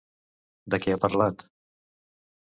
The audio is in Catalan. De què ha parlat?